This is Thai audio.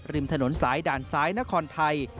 ริมถนนสายด่านซ้ายนครไทย